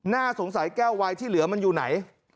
น่าสงสัยแก้ววายที่เหลือมันอยู่ไหน